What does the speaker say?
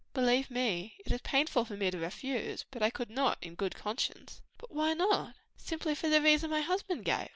"Believe me, it is painful to me to refuse, but I could not, in conscience." "But why not?" "Simply for the reason my husband gave.